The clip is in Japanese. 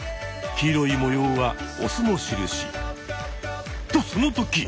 黄色い模様はオスの印。とそのとき！